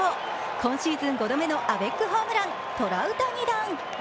今シーズン５度目のアベックホームラントラウタニ弾。